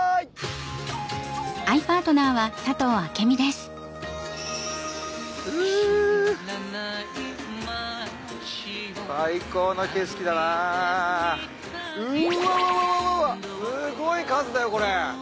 すごい数だよこれ。